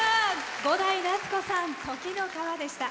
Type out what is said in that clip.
伍代夏子さん「時の川」でした。